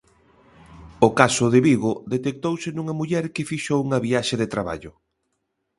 O caso de Vigo detectouse nunha muller que fixo unha viaxe de traballo.